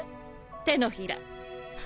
手のひら。